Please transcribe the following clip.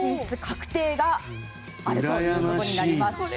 確定があることになりますね。